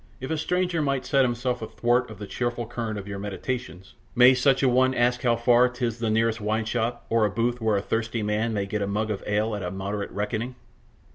If a stranger might set himself athwart the cheerful current of your meditations, may such a one ask how far 'tis to the nearest wine shop or a booth where a thirsty man may get a mug of ale at a moderate reckoning?"